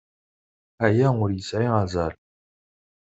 Aya ur yesɛi azal.